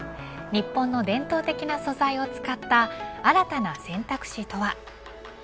日本の伝統的な素材を使った新たな選択肢とは。